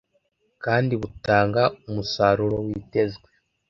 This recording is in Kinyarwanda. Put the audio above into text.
kandi butanga umusaruro witezwe.